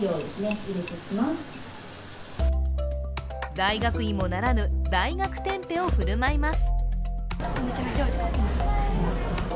大学芋ならぬ、大学テンペを振る舞います。